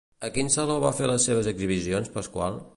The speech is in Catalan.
A quin saló va fer unes exhibicions Pascual?